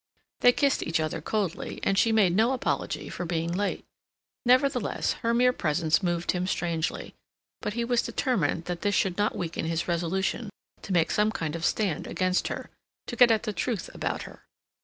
They kissed each other coldly and she made no apology for being late. Nevertheless, her mere presence moved him strangely; but he was determined that this should not weaken his resolution to make some kind of stand against her; to get at the truth about her.